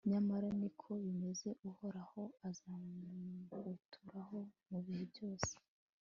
nyamara ni ko bimeze, uhoraho azawuturaho mu bihe byose